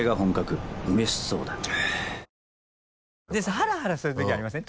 ハラハラするときありません？